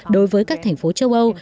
đối với các thành phố châu âu